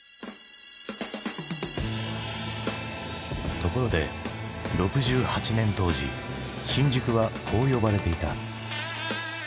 ところで６８年当時新宿はこう呼ばれていた。